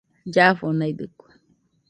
Llafonaidɨkue